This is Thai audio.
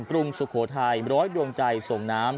กรุงสุโขทัยร้อยดวงใจส่งน้ำ